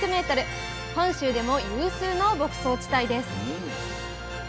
本州でも有数の牧草地帯です